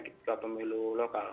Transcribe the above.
ke arah pemilu lokal